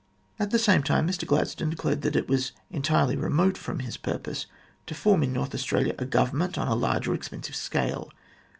At the same time, Mr Gladstone declared that it was entirely remote from his purpose to form in North Australia a government on a large or expensive scale.